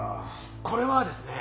これはですね。